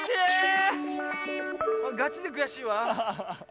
ガチでくやしいわ。